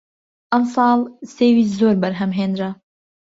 ئەمساڵ سێوی زۆر بەرهەم هێنرا